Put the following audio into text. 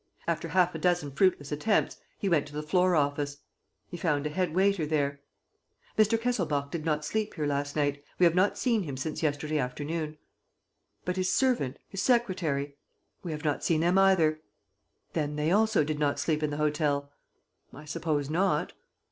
After half a dozen fruitless attempts, he went to the floor office. He found a head waiter there: "Mr. Kesselbach did not sleep here last night. We have not seen him since yesterday afternoon." "But his servant? His secretary?" "We have not seen them either." "Then they also did not sleep in the hotel?" "I suppose not."